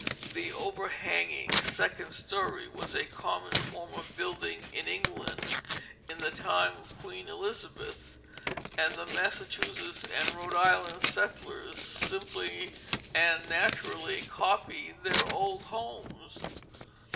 The overhanging second story was a common form of building in England in the time of Queen Elizabeth, and the Massachusetts and Rhode Island settlers simply and naturally copied their old homes.